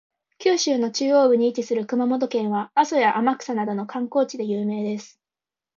九州の中央部に位置する熊本県は、阿蘇や天草などの観光地で有名です。